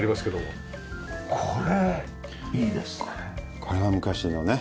これは昔のね